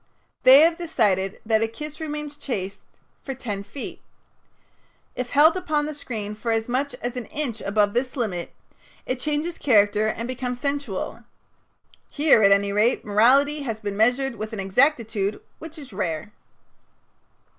They have decided that a kiss remains chaste for ten feet. If held upon the screen for as much as an inch above this limit, it changes character and becomes sensual. Here, at any rate, morality has been measured with an exactitude which is rare.